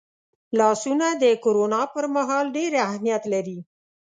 لاسونه د کرونا پرمهال ډېر اهمیت لري